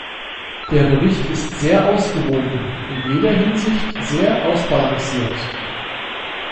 Der Bericht ist sehr ausgewogen, in jeder Hinsicht sehr ausbalanciert.